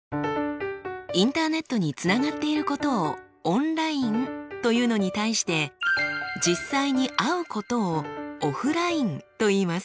インターネットにつながっていることをオンラインというのに対して実際に会うことをオフラインといいます。